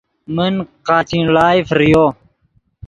من قاچین ڑائے فریو